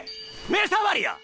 目障りや！